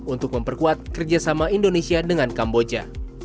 untuk memperkuat kerjasama indonesia dengan kamboja